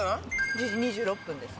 １０時２６分です。